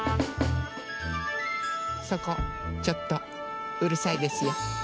そこちょっとうるさいですよ。